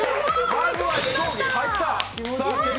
まずは飛行機、入った。